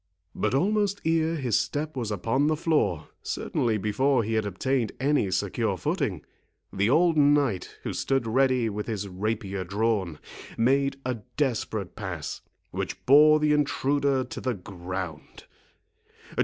But almost ere his step was upon the floor, certainly before he had obtained any secure footing, the old knight, who stood ready with his rapier drawn, made a desperate pass, which bore the intruder to the ground.